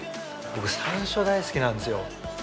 僕山椒が大好きなんですよ。